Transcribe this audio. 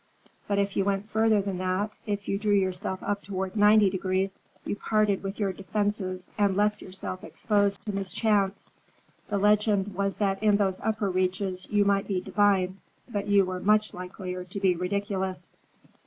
But if you went further than that, if you drew yourself up toward ninety degrees, you parted with your defenses and left yourself exposed to mischance. The legend was that in those upper reaches you might be divine; but you were much likelier to be ridiculous.